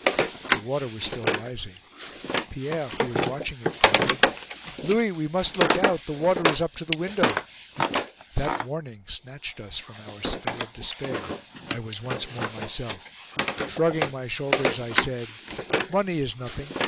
The water was still rising. Pierre, who was watching it, cried: "Louis, we must look out! The water is up to the window!" That warning snatched us from our spell of despair. I was once more myself. Shrugging my shoulders, I said: "Money is nothing.